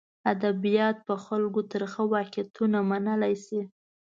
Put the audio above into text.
ادبیات په خلکو ترخه واقعیتونه منلی شي.